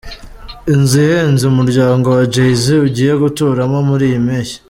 Inzu ihenze umuryango wa Jay-z ugiye guturamo muri iyi mpeshyi.